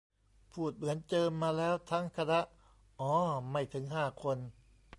พูดเหมือนเจอมาแล้วทั้งคณะ อ๋อ ไม่ถึงห้าคน